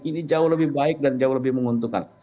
ini jauh lebih baik dan jauh lebih menguntungkan